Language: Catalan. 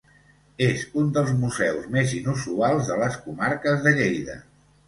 És un dels museus més inusuals de les comarques de Lleida.